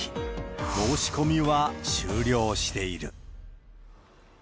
申し込みは終了している。